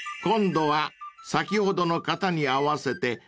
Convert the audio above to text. ［今度は先ほどの型に合わせて］